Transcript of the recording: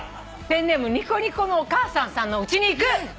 ペンネームにこにこのおかあさんさんのうちに行く！